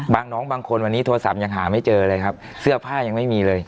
น้องบางคนวันนี้โทรศัพท์ยังหาไม่เจอเลยครับเสื้อผ้ายังไม่มีเลย